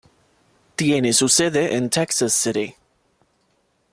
Tiene su sede en Texas City.